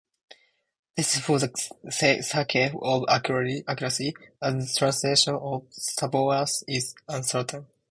This is for the sake of accuracy, as the translation of "Sabaoth" is uncertain.